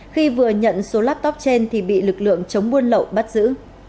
khi vừa nhận số laptop trên thì bị lực lượng chống buôn lậu bắt giữ